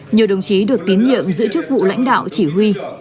nhiều đồng chí được tín nhiệm giữ chức vụ lãnh đạo chỉ huy